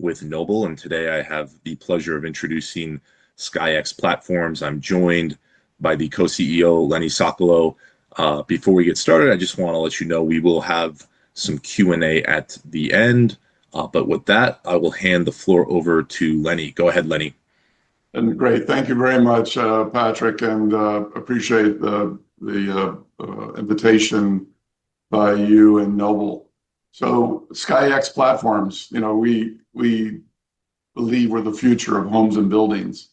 With NOBLE, and today I have the pleasure of introducing SKYX Platforms. I'm joined by the Co-CEO, Lenny Sokolow. Before we get started, I just want to let you know we will have some Q&A at the end. With that, I will hand the floor over to Lenny. Go ahead, Lenny. Great, thank you very much, Patrick, and I appreciate the invitation by you and NOBLE. SKYX Platforms, you know, we believe we're the future of homes and buildings.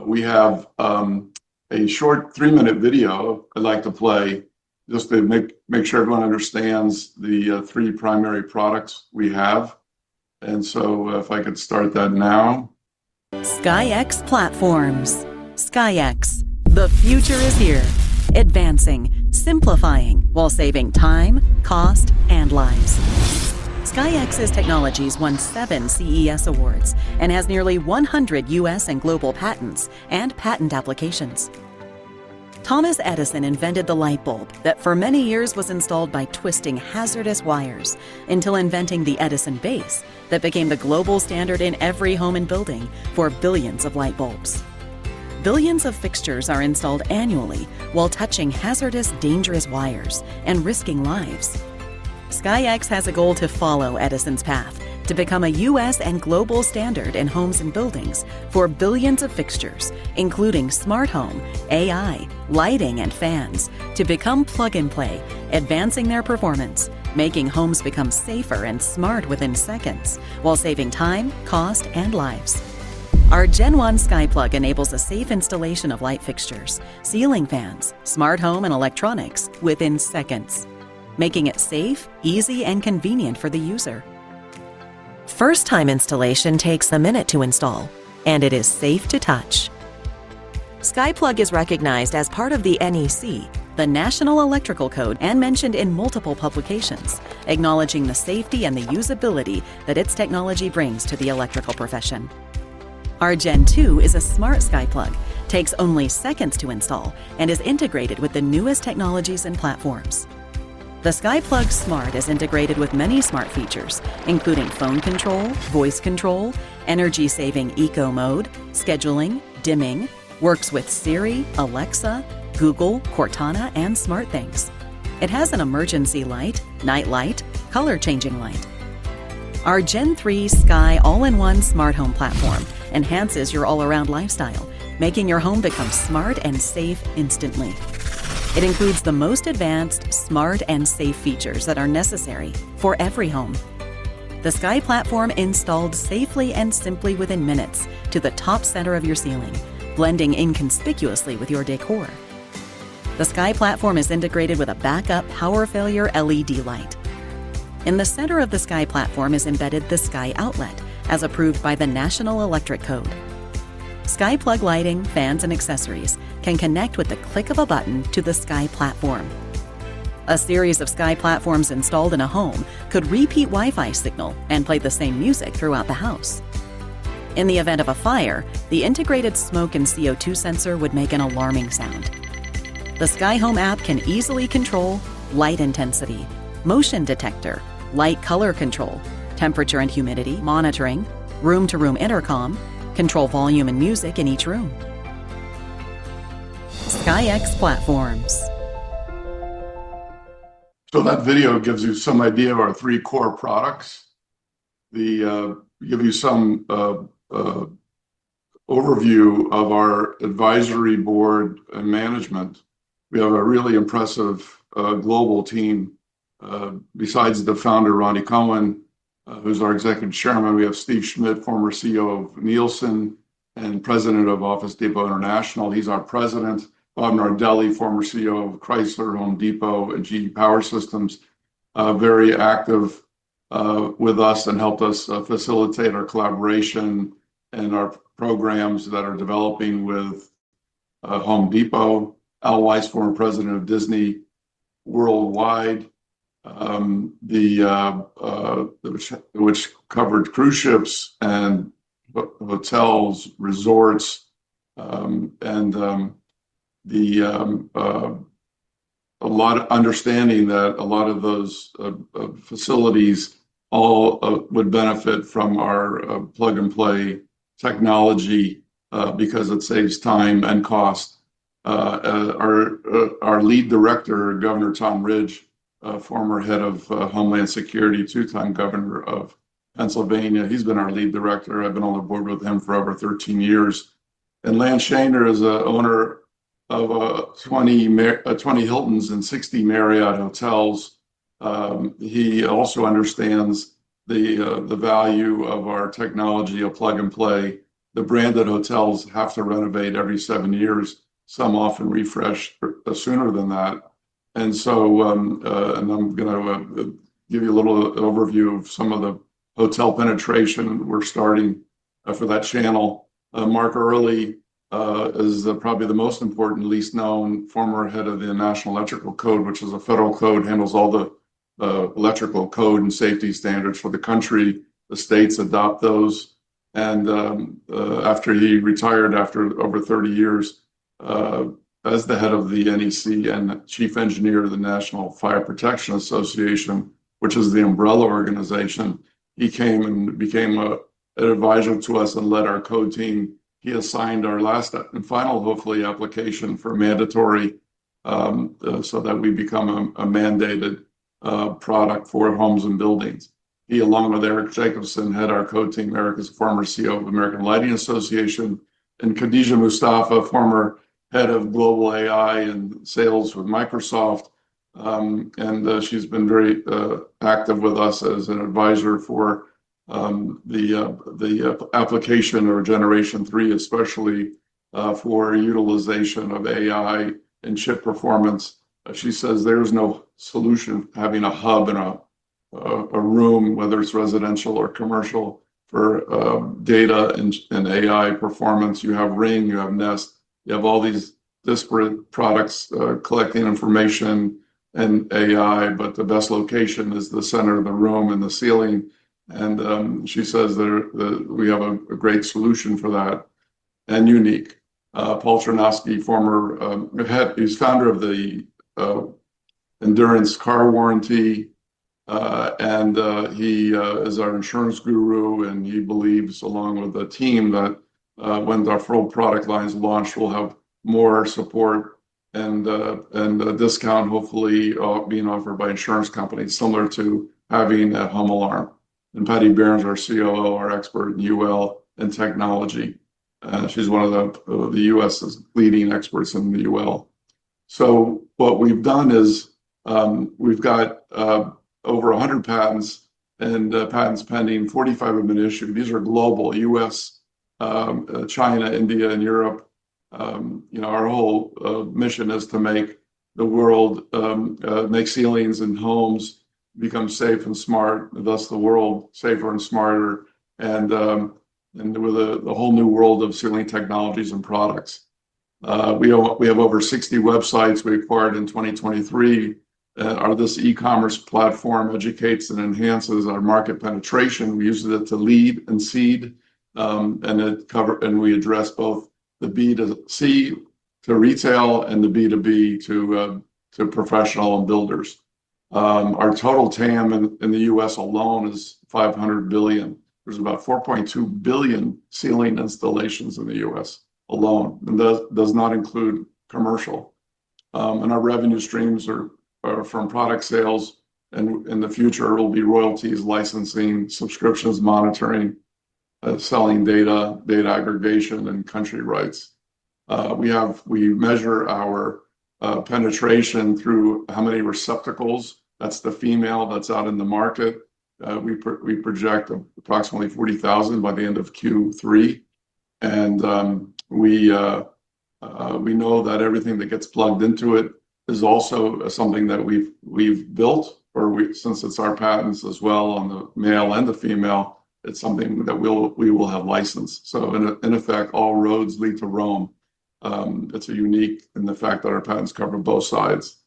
We have a short three-minute video I'd like to play just to make sure everyone understands the three primary products we have. If I could start that now. SKYX Platforms. SKYX, the future is here. Advancing, simplifying, while saving time, cost, and lives. SKYX's technologies won seven CES awards and has nearly 100 U.S. and global patents and patent applications. Thomas Edison invented the light bulb that for many years was installed by twisting hazardous wires until inventing the Edison base that became the global standard in every home and building for billions of light bulbs. Billions of fixtures are installed annually while touching hazardous, dangerous wires and risking lives. SKYX has a goal to follow Edison's path to become a U.S. and global standard in homes and buildings for billions of fixtures, including smart home, AI, lighting, and fans to become plug-and-play, advancing their performance, making homes become safer and smart within seconds, while saving time, cost, and lives. Our Gen-1 SkyPlug enables a safe installation of light fixtures, ceiling fans, smart home, and electronics within seconds, making it safe, easy, and convenient for the user. First-time installation takes a minute to install, and it is safe to touch. SkyPlug is recognized as part of the NEC the National Electrical Code and mentioned in multiple publications, acknowledging the safety and the usability that its technology brings to the electrical profession. Our Gen-2 is a smart SkyPlug, takes only seconds to install, and is integrated with the newest technologies and platforms. The SkyPlug Smart is integrated with many smart features, including phone control, voice control, energy-saving eco mode, scheduling, dimming, works with Siri, Alexa, Google, Cortana, and SmartThings. It has an emergency light, night light, and color-changing light. Our Gen-3 Sky All-in-One Smart Home Platform enhances your all-around lifestyle, making your home become smart and safe instantly. It includes the most advanced, smart, and safe features that are necessary for every home. The Sky Platform installs safely and simply within minutes to the top center of your ceiling, blending inconspicuously with your decor. The Sky Platform is integrated with a backup power failure LED light. In the center of the Sky Platform is embedded the SkyOutlet, as approved by the National Electrical Code. SkyPlug lighting, fans, and accessories can connect with the click of a button to the Sky Platform. A series of Sky Platforms installed in a home could repeat Wi-Fi signal and play the same music throughout the house. In the event of a fire, the integrated smoke and CO2 sensor would make an alarming sound. The SkyHome App can easily control light intensity, motion detector, light color control, temperature and humidity monitoring, room-to-room intercom, and control volume and music in each room. SKYX Platforms. That video gives you some idea of our three core products. We give you some overview of our advisory board and management. We have a really impressive global team. Besides the founder, Rani Kohen, who's our Executive Chairman, we have Steve Schmidt, former CEO of Nielsen and President of Office Depot International. He's our President. Bob Nardelli, former CEO of Chrysler, Home Depot, and GE Power Systems, very active with us and helped us facilitate our collaboration and our programs that are developing with Home Depot. Al Weiss, former President of Disney Worldwide, which covered cruise ships and hotels, resorts, and a lot of understanding that a lot of those facilities all would benefit from our plug-and-play technology because it saves time and cost. Our Lead Director, Governor Tom Ridge, former Head of Homeland Security, two-time Governor of Pennsylvania, he's been our Lead Director. I've been on the board with him for over 13 years. Lance Shaner is the owner of 20 Hiltons and 60 Marriott hotels. He also understands the value of our technology of plug-and-play. The branded hotels have to renovate every seven years, some often refresh sooner than that. I'm going to give you a little overview of some of the hotel penetration we're starting for that channel. Mark Earley is probably the most important, least known, former Head of the National Electrical Code, which is a federal code, handles all the electrical code and safety standards for the country. The states adopt those. After he retired after over 30 years as the head of the NEC and the Chief Engineer of the National Fire Protection Association, which is the umbrella organization, he came and became an advisor to us and led our code team. He assigned our last and final, hopefully, application for mandatory so that we become a mandated product for homes and buildings. He, along with Eric Jacobson, head of our code team, Eric is the former CEO of the American Lighting Association, and Khadija Mustafa, former Head of Global AI and Sales with Microsoft. She's been very active with us as an advisor for the application of Generation 3, especially for utilization of AI and chip performance. She says there's no solution having a hub in a room, whether it's residential or commercial, for data and AI performance. You have Ring, you have Nest, you have all these disparate products collecting information and AI, but the best location is the center of the room and the ceiling. She says that we have a great solution for that and unique. Paul Chernawsky, he's the founder of the Endurance Car Warranty, and he is our insurance guru, and he believes, along with the team, that when our full product lines launch, we'll have more support and a discount, hopefully, being offered by insurance companies, similar to having that home alarm. Patty Barron, our COO, is our expert in UL and technology. She's one of the U.S.'s leading experts in UL. What we've done is we've got over 100 patents and patents pending, 45 of them issued. These are global: U.S., China, India, and Europe. Our whole mission is to make the world, make ceilings and homes become safe and smart, thus the world safer and smarter, and with a whole new world of ceiling technologies and products. We have over 60 websites we acquired in 2023, and this e-commerce platform educates and enhances our market penetration. We use it to lead and seed, and we address both the B2C to retail and the B2B to professional and builders. Our total TAM in the U.S. alone is $500 billion. There's about 4.2 billion ceiling installations in the U.S. alone, and that does not include commercial. Our revenue streams are from product sales, and in the future, it'll be royalties, licensing, subscriptions, monitoring, selling data, data aggregation, and country rights. We measure our penetration through how many receptacles, that's the female that's out in the market. We project approximately 40,000 by the end of Q3, and we know that everything that gets plugged into it is also something that we've built, or since it's our patents as well on the male and the female, it's something that we will have licensed. In effect, all roads lead to Rome. It's unique in the fact that our patents cover both sides.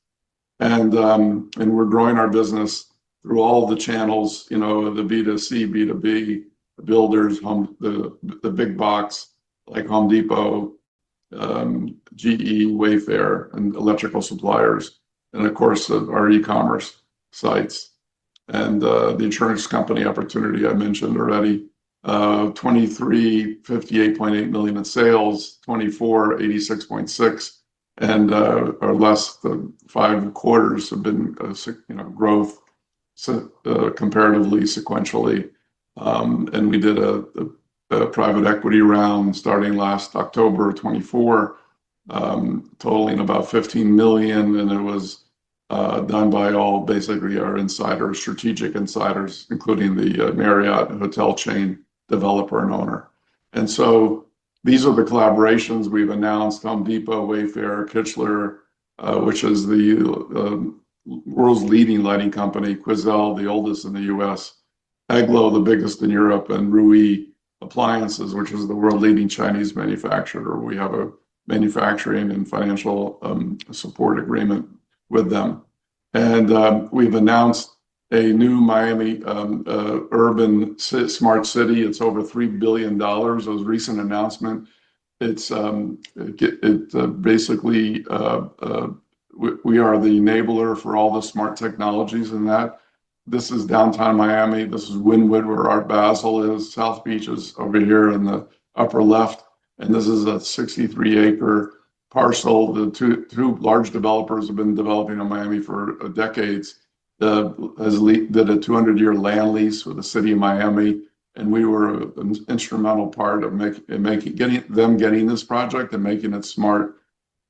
We're growing our business through all the channels, the B2C, B2B, the builders, the big box like Home Depot, GE, Wayfair, and electrical suppliers, and of course our e-commerce sites. The insurance company opportunity I mentioned already, 2023, $58.8 million in sales, 2024, $86.6 million, and our last five and a quarter has been growth comparatively sequentially. We did a private equity round starting last October of 2024, totaling about $15 million, and it was done by all basically our insiders, strategic insiders, including the Marriott hotel chain developer and owner. These are the collaborations we've announced: Home Depot, Wayfair, Kichler, which is the world's leading lighting company, Quoizel, the oldest in the U.S., EGLO, the biggest in Europe, and Rui Appliances, which is the world-leading Chinese manufacturer. We have a manufacturing and financial support agreement with them. We've announced a new Miami urban smart city. It's over $3 billion, the most recent announcement. Basically, we are the enabler for all the smart technologies in that. This is downtown Miami. This is Wynwood, where Art Basel is. South Beach is over here in the upper left. This is a 63-acre parcel that two large developers have been developing in Miami for decades. They did a 200-year land lease with the city of Miami, and we were an instrumental part of getting them this project and making it smart.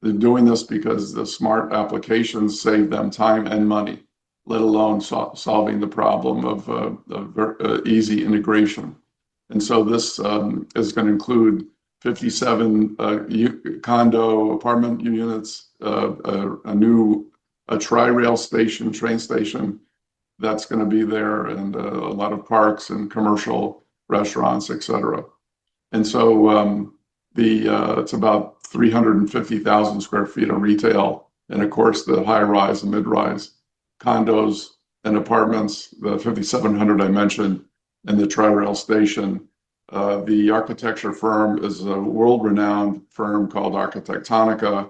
They're doing this because the smart applications save them time and money, let alone solving the problem of the easy integration. This is going to include 5,700 condo apartment units, a new tram rail station, train station that's going to be there, and a lot of parks and commercial restaurants, et cetera. It's about 350,000 sq ft of retail, and of course the high-rise and mid-rise condos and apartments, the 5,700 I mentioned, and the tram rail station. The architecture firm is a world-renowned firm called Arquitectonica.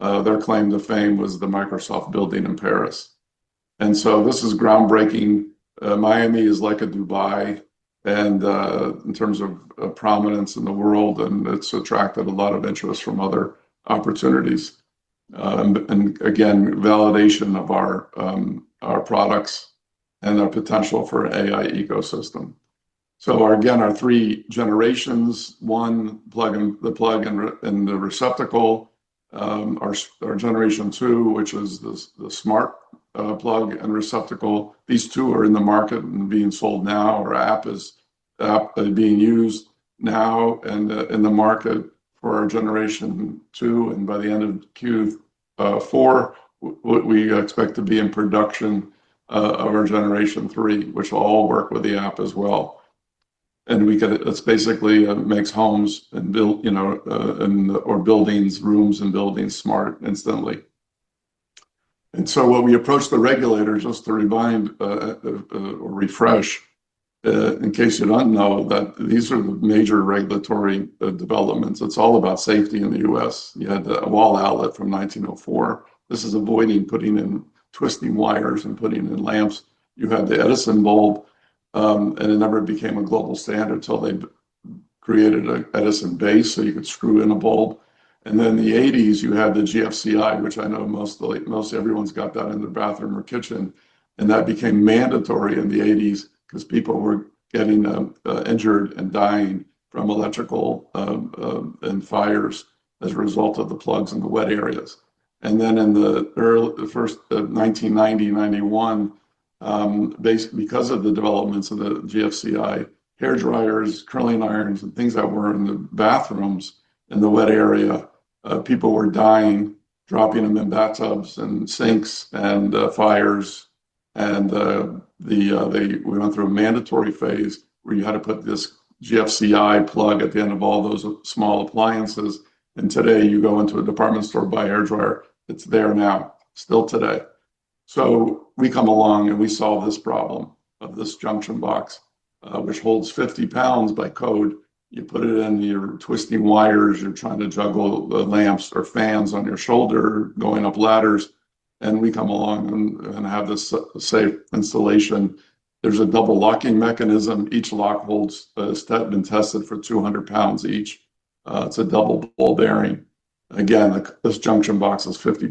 Their claim to fame was the Microsoft building in Paris. This is groundbreaking. Miami is like a Dubai in terms of prominence in the world, and it's attracted a lot of interest from other opportunities. Again, validation of our products and our potential for AI ecosystem. Our three generations, one plug and the plug and the receptacle, our Generation 2, which is the smart plug and receptacle. These two are in the market and being sold now. Our app is being used now and in the market for our Generation 2, and by the end of Q4, we expect to be in production of our Generation 3, which will all work with the app as well. It basically makes homes and buildings smart instantly. When we approach the regulators, just to refresh, in case you don't know, these are major regulatory developments. It's all about safety in the U.S. You had the wall outlet from 1904. This is avoiding putting in twisting wires and putting in lamps. You had the Edison bulb, and it never became a global standard until they created an Edison base so you could screw in a bulb. In the 1980s, you had the GFCI, which I know most everyone's got that in the bathroom or kitchen, and that became mandatory in the 1980s because people were getting injured and dying from electrical and fires as a result of the plugs in the wet areas. In the early first 1990, 1991, because of the developments of the GFCI, hair dryers, curling irons, and things that were in the bathrooms in the wet area, people were dying, dropping them in bathtubs and sinks and fires. We went through a mandatory phase where you had to put this GFCI plug at the end of all those small appliances. Today, you go into a department store and buy a hair dryer. It's there now, still today. We come along and we solve this problem of this junction box, which holds 50 lbs by code. You put it in, you're twisting wires, you're trying to juggle the lamps or fans on your shoulder going up ladders, and we come along and have this safe installation. There's a double locking mechanism. Each lock holds and is tested for 200 lbs each. It's a double ball bearing. Again, this junction box is 50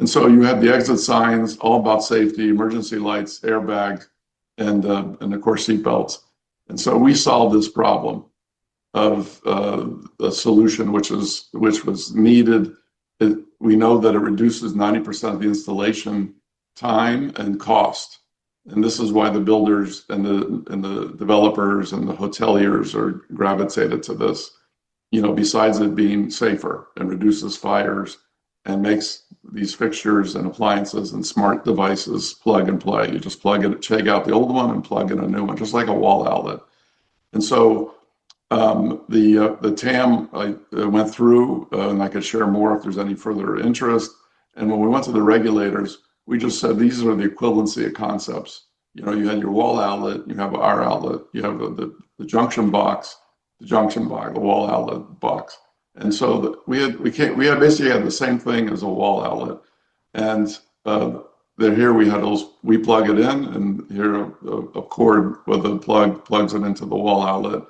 lbs. You have the exit signs, all about safety, emergency lights, airbag, and of course seat belts. We solved this problem of the solution, which was needed. We know that it reduces 90% of the installation time and cost. This is why the builders and the developers and the hoteliers are gravitated to this. Besides it being safer and reduces fires and makes these fixtures and appliances and smart devices plug-and-play. You just plug it, take out the old one and plug in a new one, just like a wall outlet. The TAM went through, and I could share more if there's any further interest. When we went to the regulators, we just said these are the equivalency of concepts. You had your wall outlet, you have our outlet, you have the junction box, the junction box, the wall outlet box. We basically had the same thing as a wall outlet. They're here, we had those, we plug it in, and here's a cord where the plug plugs it into the wall outlet.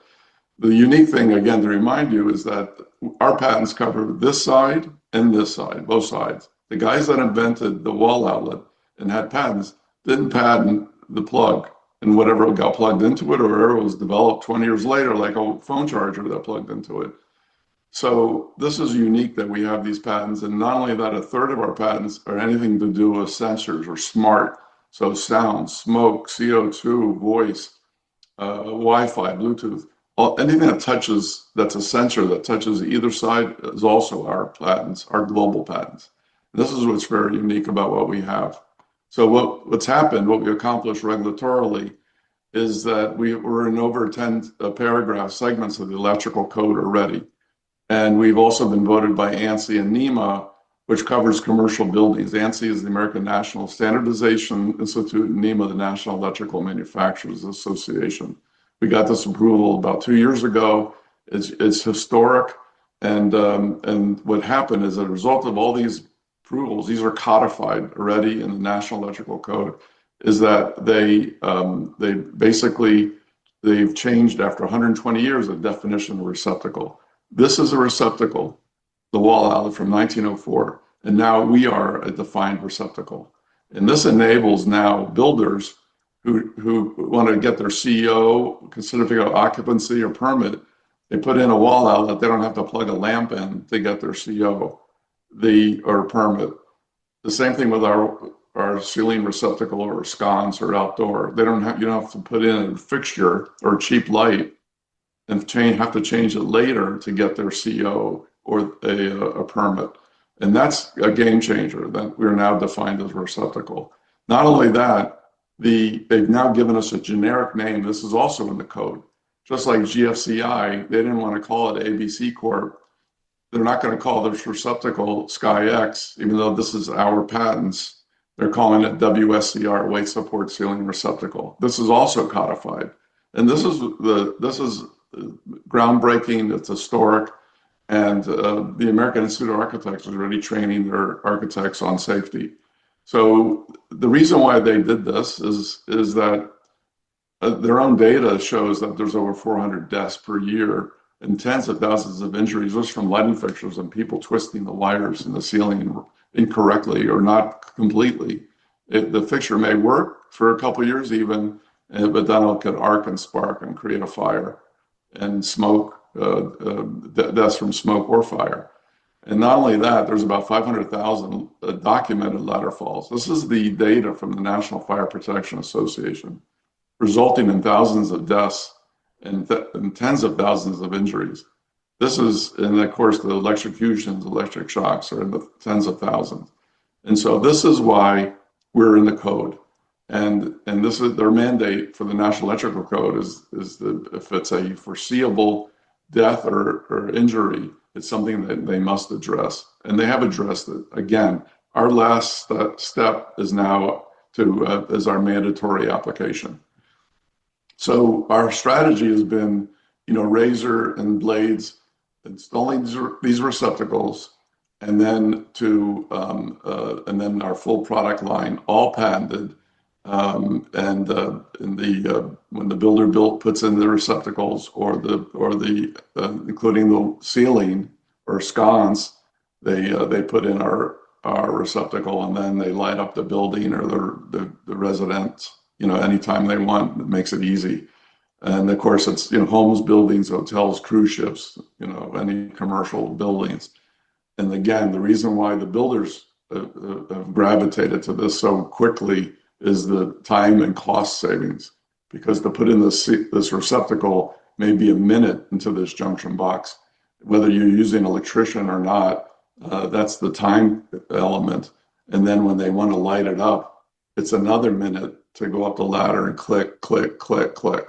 The unique thing, again, to remind you, is that our patents cover this side and this side, both sides. The guys that invented the wall outlet and had patents didn't patent the plug, and whatever got plugged into it or whatever was developed 20 years later, like a phone charger that plugged into it. This is unique that we have these patents, and not only that, 1/3 of our patents are anything to do with sensors or smart. Sound, smoke, CO2, voice, Wi-Fi, Bluetooth, anything that touches that's a sensor that touches either side is also our patents, our global patents. This is what's very unique about what we have. What happened, what we accomplish regulatorily is that we're in over 10 paragraph segments of the electrical code already. We've also been voted by ANSI and NEMA, which covers commercial buildings. ANSI is the American National Standardization Institute, and NEMA the National Electrical Manufacturers Association. We got this approval about two years ago. It's historic. What happened is as a result of all these approvals, these are codified already in the National Electrical Code, is that they basically, they've changed after 120 years of definition of a receptacle. This is a receptacle, the wall outlet from 1904, and now we are a defined receptacle. This enables now builders who want to get their CO, certificate of occupancy or permit, they put in a wall outlet, they don't have to plug a lamp in to get their CO or permit. The same thing with our ceiling receptacle or sconce or outdoor. You don't have to put in a fixture or a cheap light and have to change it later to get their CO or a permit. That's a game changer that we're now defined as a receptacle. Not only that, they've now given us a generic name. This is also in the code. Just like GFCI, they didn't want to call it ABC Corp. They're not going to call this receptacle SKYX, even though this is our patents. They're calling it WSCR, Weight Support Ceiling Receptacle. This is also codified. This is groundbreaking. It's historic. The American Institute of Architects is already training their architects on safety. The reason why they did this is that their own data shows that there's over 400 deaths per year and tens of thousands of injuries just from lighting fixtures and people twisting the wires in the ceiling incorrectly or not completely. The fixture may work for a couple of years even, but then it'll get arc and spark and create a fire and smoke, deaths from smoke or fire. Not only that, there's about 500,000 documented ladder falls. This is the data from the National Fire Protection Association, resulting in thousands of deaths and tens of thousands of injuries. This is, and of course, the electrocutions, electric shocks are in the tens of thousands. This is why we're in the code. Their mandate for the National Electrical Code is if it's a foreseeable death or injury, it's something that they must address. They have addressed it. Our last step is now to, as our mandatory application. Our strategy has been, you know, Razor and Blades, installing these receptacles, and then our full product line, all patented. When the builder puts in the receptacles, or the, including the ceiling or sconce, they put in our receptacle and then they light up the building or the resident, you know, anytime they want, it makes it easy. Of course, it's, you know, homes, buildings, hotels, cruise ships, any commercial buildings. The reason why the builders gravitated to this so quickly is the time and cost savings. To put in this receptacle may be a minute into this junction box, whether you're using electrician or not, that's the time element. When they want to light it up, it's another minute to go up the ladder and click, click, click, click.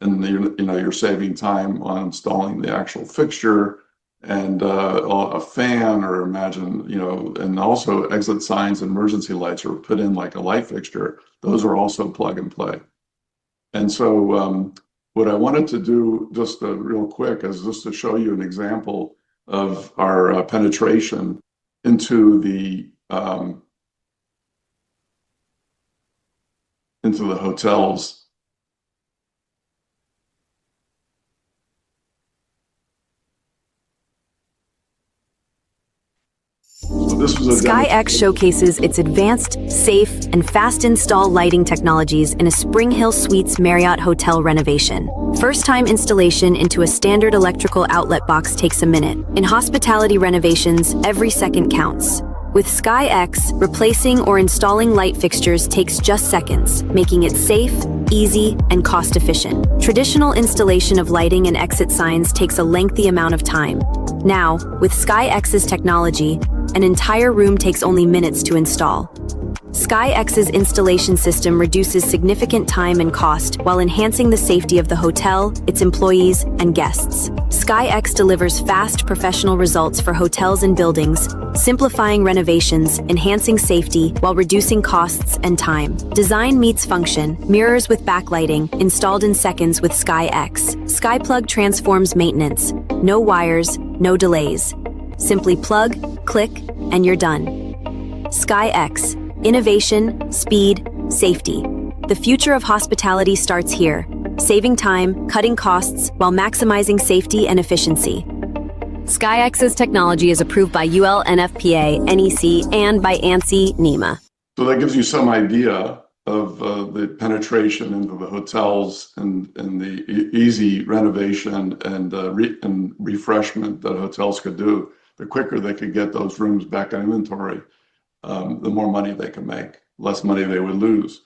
You're saving time on installing the actual fixture and a fan, or imagine, you know, and also exit signs and emergency lights are put in like a light fixture. Those are also plug-and-play. What I wanted to do just real quick is just to show you an example of our penetration into the hotels. SKYX showcases its advanced, safe, and fast-install lighting technologies in a SpringHill Suites Marriott hotel renovation. First-time installation into a standard electrical outlet box takes a minute. In hospitality renovations, every second counts. With SKYX, replacing or installing light fixtures takes just seconds, making it safe, easy, and cost-efficient. Traditional installation of lighting and exit signs takes a lengthy amount of time. Now, with SKYX's technology, an entire room takes only minutes to install. SKYX's installation system reduces significant time and cost while enhancing the safety of the hotel, its employees, and guests. SKYX delivers fast, professional results for hotels and buildings, simplifying renovations, enhancing safety while reducing costs and time. Design meets function, mirrors with backlighting, installed in seconds with SKYX. SkyPlug transforms maintenance. No wires, no delays. Simply plug, click, and you're done. SKYX, innovation, speed, safety. The future of hospitality starts here, saving time, cutting costs while maximizing safety and efficiency. SKYX's technology is approved by UL, NFPA, NEC, and by ANSI, NEMA. That gives you some idea of the penetration into the hotels and the easy renovation and refreshment that hotels could do. The quicker they could get those rooms back on inventory, the more money they could make, less money they would lose.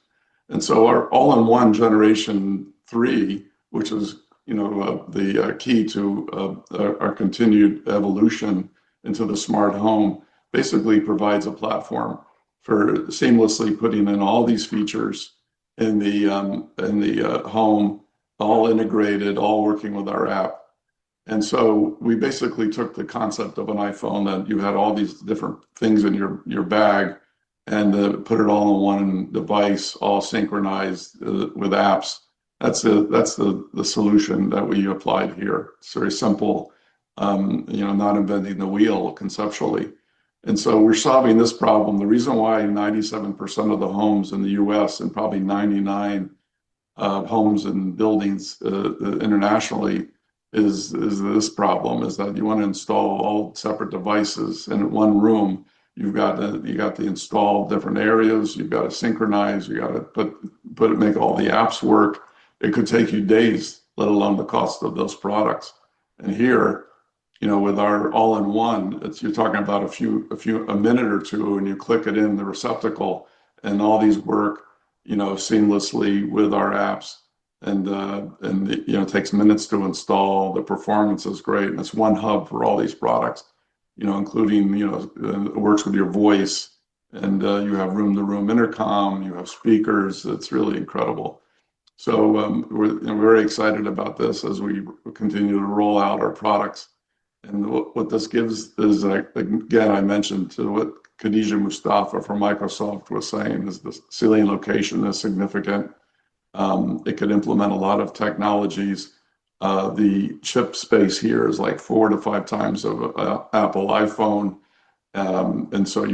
Our all-in-one Generation 3, which is, you know, the key to our continued evolution into the smart home, basically provides a platform for seamlessly putting in all these features in the home, all integrated, all working with our app. We basically took the concept of an iPhone that you had all these different things in your bag and put it all in one device, all synchronized with apps. That's the solution that we applied here. It's very simple, you know, not inventing the wheel conceptually. We're solving this problem. The reason why 97% of the homes in the U.S. and probably 99% of homes and buildings internationally is this problem, is that you want to install all separate devices in one room. You've got to install different areas, you've got to synchronize, you've got to make all the apps work. It could take you days, let alone the cost of those products. Here, you know, with our all-in-one, you're talking about a few, a minute or two, and you click it in the receptacle and all these work, you know, seamlessly with our apps. It takes minutes to install, the performance is great, and it's one hub for all these products, you know, including, you know, it works with your voice and you have room-to-room intercom, you have speakers, it's really incredible. We're very excited about this as we continue to roll out our products. What this gives is, again, I mentioned to what Khadija Mustafa from Microsoft was saying, is the ceiling location is significant. It could implement a lot of technologies. The chip space here is like 4x-5x of an Apple iPhone.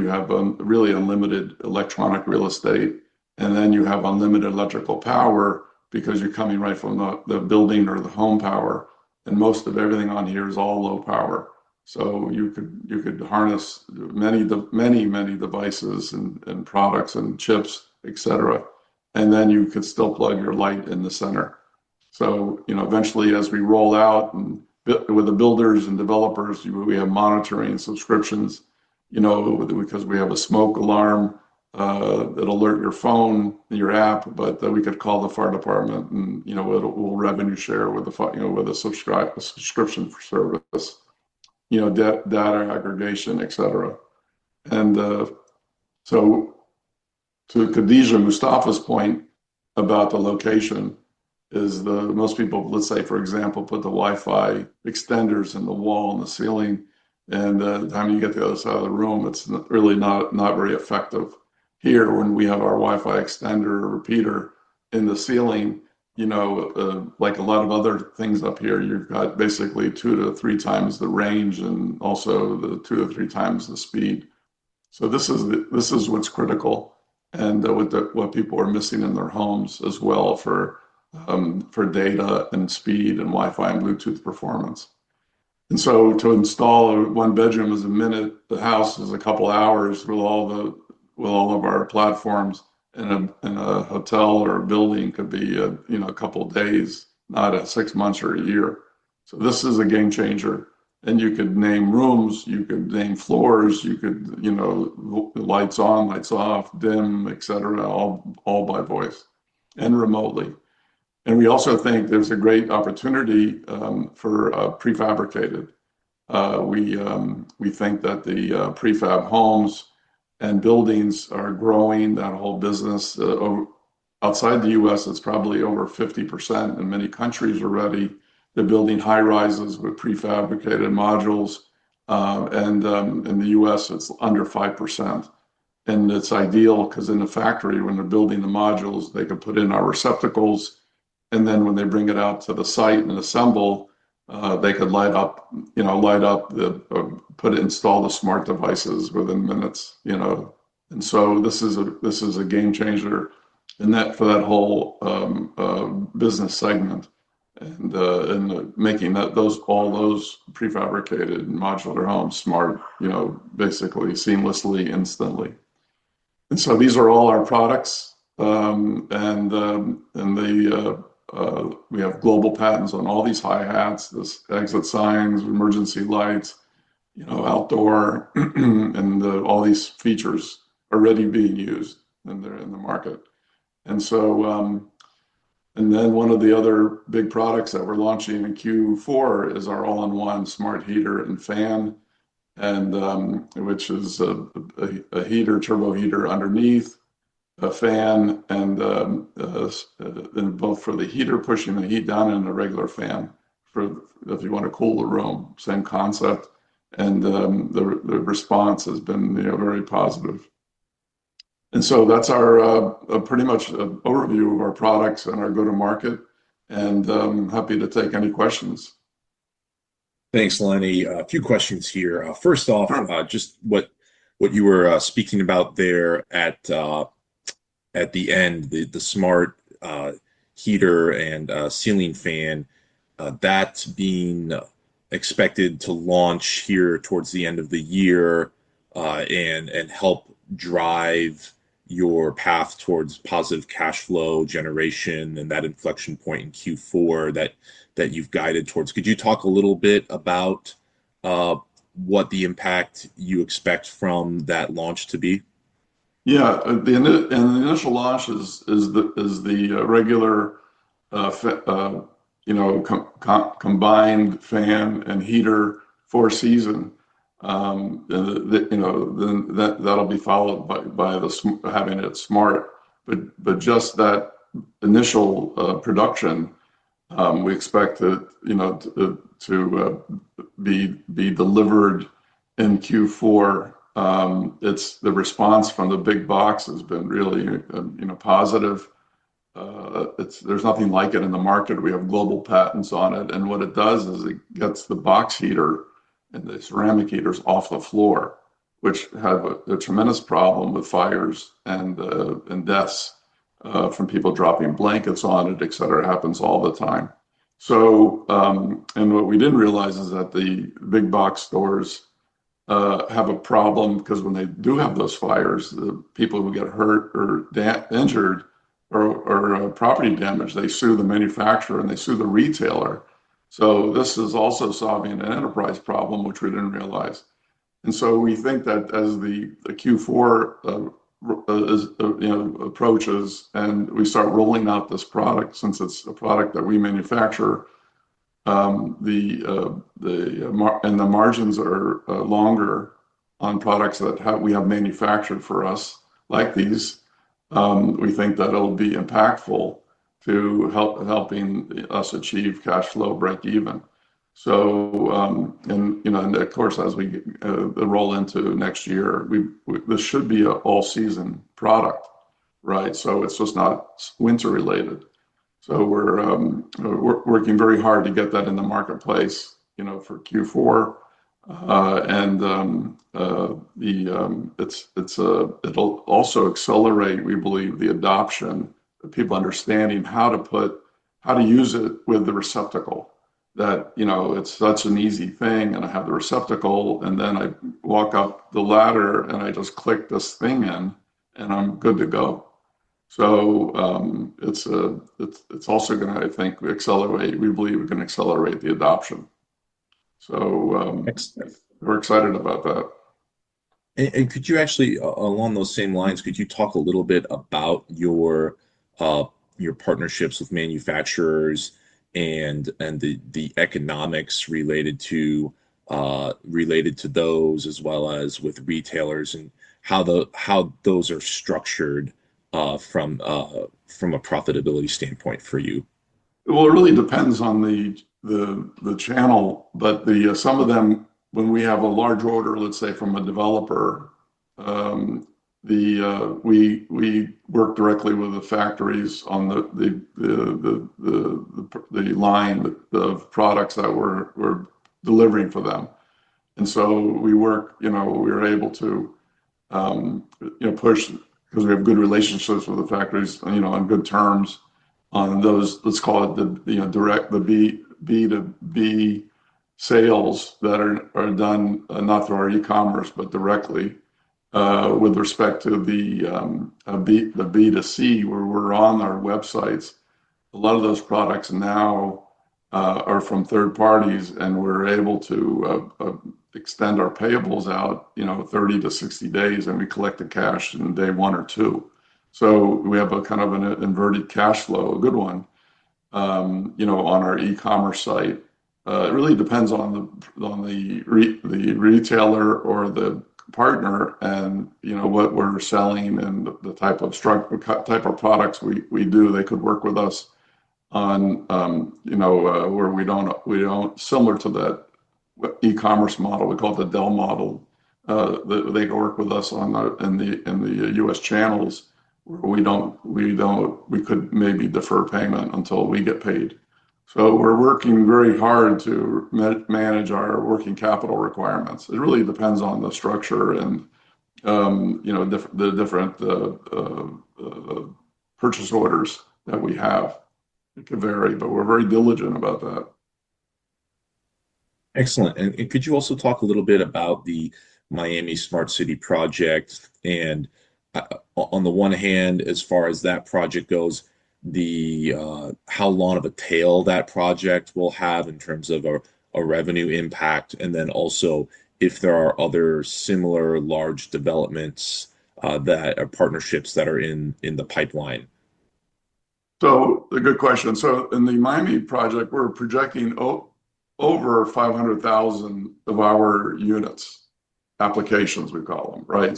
You have really unlimited electronic real estate. Then you have unlimited electrical power because you're coming right from the building or the home power. Most of everything on here is all low power. You could harness many, many, many devices and products and chips, et cetera. You could still plug your light in the center. Eventually, as we roll out with the builders and developers, we have monitoring subscriptions because we have a smoke alarm that alerts your phone, your app, but we could call the fire department and we'll revenue share with the subscription for services, data aggregation, et cetera. To Khadija Mustafa's point about the location, most people, let's say, for example, put the Wi-Fi extenders in the wall and the ceiling, and by the time you get to the other side of the room, it's really not very effective. Here, when we have our Wi-Fi extender repeater in the ceiling, like a lot of other things up here, you've got basically 2x-3x the range and also 2x-3x the speed. This is what's critical and what people are missing in their homes as well for data and speed and Wi-Fi and Bluetooth performance. To install one bedroom is a minute, the house is a couple hours with all of our platforms, and a hotel or a building could be a couple days, not six months or a year. This is a game changer. You could name rooms, you could name floors, you could, the lights on, lights off, dim, et cetera, all by voice and remotely. We also think there's a great opportunity for prefabricated. We think that the prefab homes and buildings are growing, that whole business. Outside the U.S., it's probably over 50%, and many countries are ready. They're building high rises with prefabricated modules. In the U.S., it's under 5%. It's ideal because in the factory, when they're building the modules, they could put in our receptacles, and then when they bring it out to the site and assemble, they could light up, put it, install the smart devices within minutes. This is a game changer for that whole business segment and making all those prefabricated modular homes smart, basically seamlessly, instantly. These are all our products. We have global patents on all these high hats, exit signs, emergency lights, outdoor, and all these features are already being used and they're in the market. One of the other big products that we're launching in Q4 is our all-in-one smart heater and fan, which is a heater, turbo heater underneath a fan, and both for the heater, pushing the heat down, and a regular fan if you want to cool the room, same concept. The response has been very positive. That's our pretty much overview of our products and our go-to-market, and I'm happy to take any questions. Thanks, Lenny. A few questions here. First off, just what you were speaking about there at the end, the smart heater and ceiling fan, that's being expected to launch here towards the end of the year and help drive your path towards positive cash flow generation and that inflection point in Q4 that you've guided towards. Could you talk a little bit about what the impact you expect from that launch to be? Yeah, the initial launch is the regular combined fan and heater for season. That'll be followed by having it smart. Just that initial production, we expect to be delivered in Q4. The response from the big box has been really positive. There's nothing like it in the market. We have global patents on it. What it does is it gets the box heater and the ceramic heaters off the floor, which have a tremendous problem with fires and deaths from people dropping blankets on it, et cetera. It happens all the time. What we didn't realize is that the big box stores have a problem because when they do have those fires, the people who get hurt or injured or property damaged, they sue the manufacturer and they sue the retailer. This is also solving an enterprise problem, which we didn't realize. We think that as Q4 approaches and we start rolling out this product, since it's a product that we manufacture, and the margins are longer on products that we have manufactured for us like these, we think that it'll be impactful to helping us achieve cash flow break even. Of course, as we roll into next year, this should be an all-season product, right? It's just not winter related. We're working very hard to get that in the marketplace, you know, for Q4. It'll also accelerate, we believe, the adoption, people understanding how to put, how to use it with the receptacle. It's such an easy thing, and I have the receptacle, and then I walk up the ladder and I just click this thing in, and I'm good to go. It's also going to, I think, accelerate, we believe it can accelerate the adoption. We're excited about that. Could you actually, along those same lines, talk a little bit about your partnerships with manufacturers and the economics related to those, as well as with retailers and how those are structured from a profitability standpoint for you? It really depends on the channel, but some of them, when we have a large order, let's say from a developer, we work directly with the factories on the line of products that we're delivering for them. We work, you know, we're able to push because we have good relationships with the factories, you know, on good terms on those, let's call it the direct, the B2B sales that are done not through our e-commerce, but directly. With respect to the B2C where we're on our websites, a lot of those products now are from third parties, and we're able to extend our payables out 30-60 days, and we collect the cash in day one or two. We have a kind of an inverted cash flow, a good one, you know, on our e-commerce site. It really depends on the retailer or the partner and, you know, what we're selling and the type of products we do. They could work with us on, you know, where we don't, we don't, similar to the e-commerce model, we call it the Dell model. They could work with us on the U.S. channels where we don't, we don't, we could maybe defer payment until we get paid. We're working very hard to manage our working capital requirements. It really depends on the structure and, you know, the different purchase orders that we have. It could vary, but we're very diligent about that. Excellent. Could you also talk a little bit about the Miami Smart City project? On the one hand, as far as that project goes, how long of a tail that project will have in terms of a revenue impact, and then also if there are other similar large developments that are partnerships that are in the pipeline? That is a good question. In the Miami project, we're projecting over 500,000 of our units, applications we call them, right?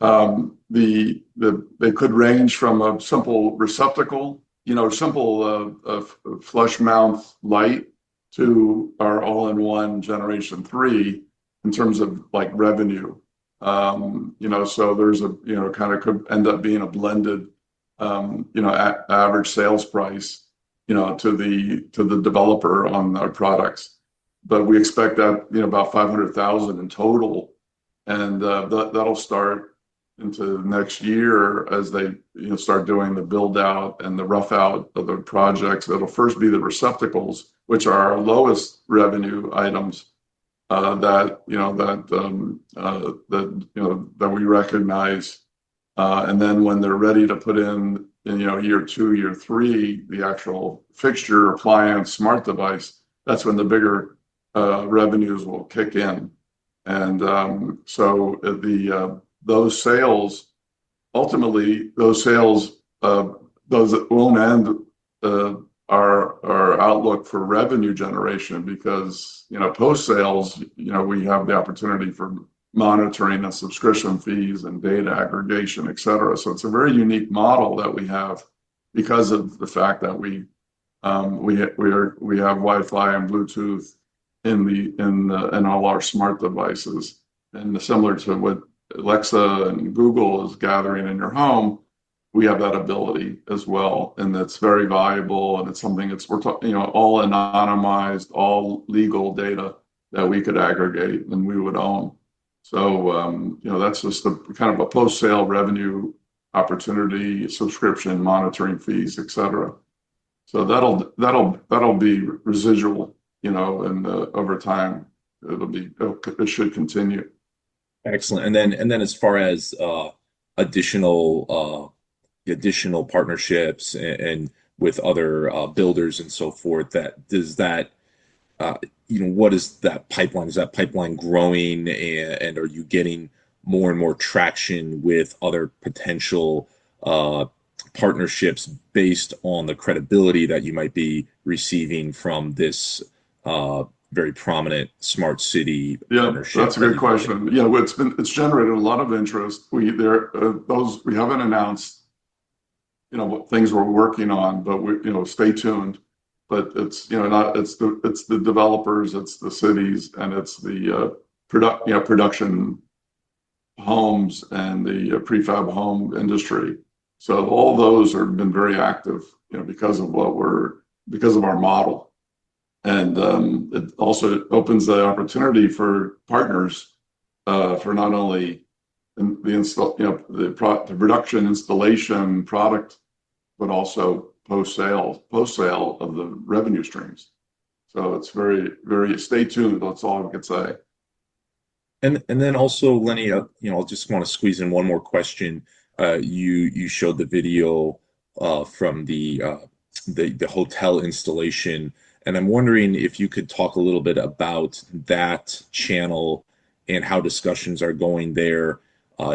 They could range from a simple receptacle, a simple flush mount light to our all-in-one Generation 3 in terms of revenue. There could end up being a blended average sales price to the developer on our products. We expect about 500,000 in total, and that'll start into next year as they start doing the build-out and the rough-out of the project. It will first be the receptacles, which are our lowest revenue items that we recognize. When they're ready to put in, in year two or year three, the actual fixture, appliance, smart device, that's when the bigger revenues will kick in. Ultimately, those sales won't end our outlook for revenue generation because post-sales, we have the opportunity for monitoring, the subscription fees, and data aggregation, et cetera. It is a very unique model that we have because of the fact that we have Wi-Fi and Bluetooth in all our smart devices. Similar to what Alexa and Google is gathering in your home, we have that ability as well. It is very valuable, and it's all anonymized, all legal data that we could aggregate and we would own. That is just the kind of a post-sale revenue opportunity, subscription, monitoring fees, et cetera. That will be residual, and over time, it will be potentially continued. Excellent. As far as additional partnerships with other builders and so forth, does that, you know, what is that pipeline? Is that pipeline growing? Are you getting more and more traction with other potential partnerships based on the credibility that you might be receiving from this very prominent smart city partnership? Yeah, that's a great question. It's generated a lot of interest. We haven't announced what things we're working on, but stay tuned. It's the developers, it's the cities, and it's the production homes and the prefab home industry. All those have been very active because of our model. It also opens the opportunity for partners for not only the production installation product, but also post-sale of the revenue streams. It's very, very stay tuned, that's all I can say. Lenny, I just want to squeeze in one more question. You showed the video from the hotel installation, and I'm wondering if you could talk a little bit about that channel and how discussions are going there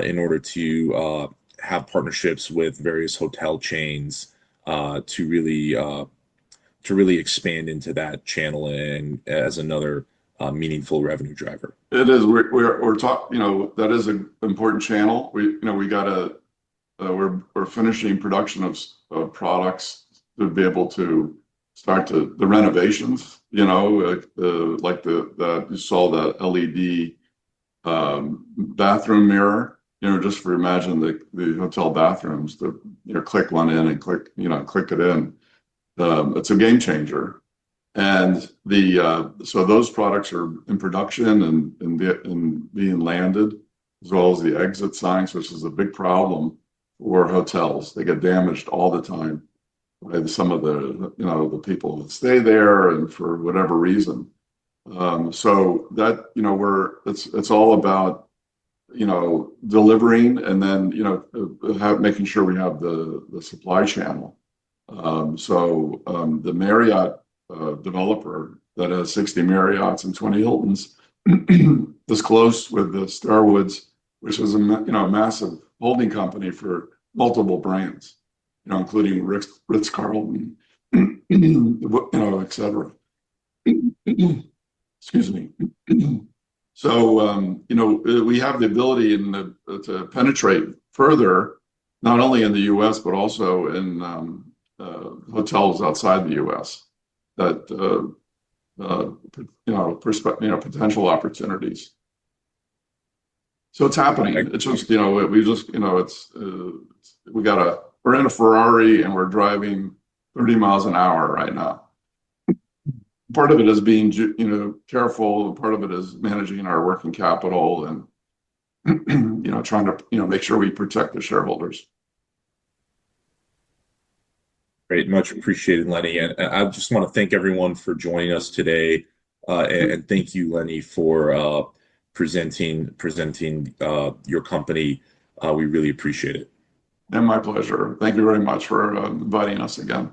in order to have partnerships with various hotel chains to really expand into that channel and as another meaningful revenue driver? It is, we're talking, you know, that is an important channel. We got to, we're finishing production of products to be able to start the renovations, like that you saw the LED bathroom mirror, just for imagine the hotel bathrooms to click one in and click, you know, click it in. It's a game changer. Those products are in production and being landed, as well as the exit signs, which is a big problem for hotels. They get damaged all the time by some of the people that stay there and for whatever reason. It's all about delivering and then making sure we have the supply channel. The Marriott developer that has 60 Marriotts and 20 Hiltons disclosed with the Starwoods, which is a massive holding company for multiple brands, including Ritz-Carlton, et cetera. Excuse me. We have the ability to penetrate further, not only in the U.S., but also in hotels outside the U.S., potential opportunities. It's happening. We just, you know, it's, we got a, we're in a Ferrari and we're driving 30 mi an hour right now. Part of it is being careful. Part of it is managing our working capital and trying to make sure we protect the shareholders. Great, much appreciated, Lenny. I just want to thank everyone for joining us today. Thank you, Lenny, for presenting your company. We really appreciate it. My pleasure. Thank you very much for inviting us again.